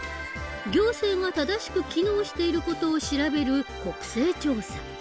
行政が正しく機能している事を調べる国政調査。